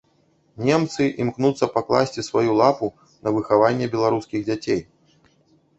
Немцы імкнуцца пакласці сваю лапу на выхаванне беларускіх дзяцей.